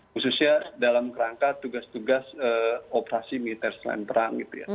khususnya dalam kerangka tugas tugas operasi militer selain perang